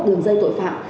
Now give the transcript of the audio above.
đường dây tội phạm